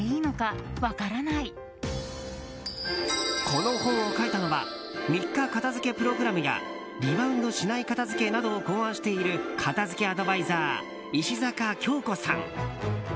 この本を書いたのは「『３日片づけ』プログラム」や「リバウンドしない片づけ」などを考案している片づけアドバイザー石阪京子さん。